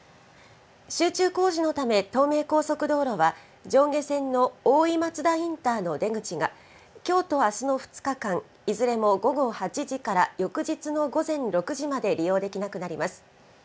集中工事のため、東名高速道路は、上下線の大井松田インターの出口が、きょうとあすの２日間、いずれも午後８時から翌日の午前６時まで利用できなくなります。